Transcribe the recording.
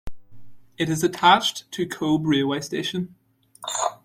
It is attached to Cobh railway station.